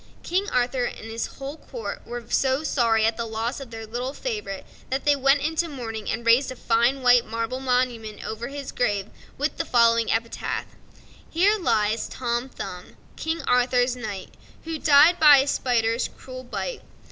King Arthur and his whole court were so sorry at the loss of their little favorite that they went into mourning and raised a fine white marble monument over his grave with the following epitaph: Here lies Tom Thumb, King Arthur's knight, Who died by a spider's cruel bite.